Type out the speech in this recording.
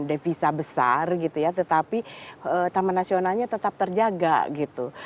devisa besar gitu ya tetapi taman nasionalnya tetap terjaga gitu